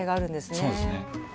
そうですね